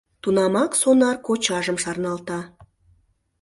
Тунамак сонар кочажым шарналта.